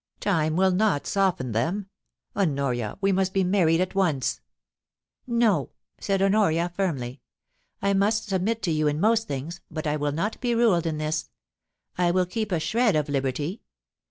Time will not soften them. Honoria, we must be married at once' * No,' said Honoria, firmly. * I must submit to you in most things, but I will not be ruled in this. I will keep a shred of liberty.